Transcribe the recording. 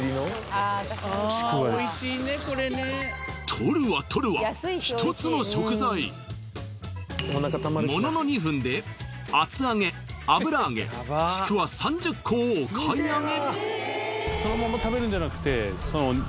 取るわ取るわ１つの食材ものの２分で厚揚げ油揚げちくわ３０個をお買い上げ